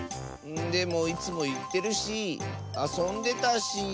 でもいつもいってるしあそんでたし。